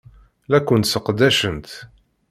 La kent-sseqdacent.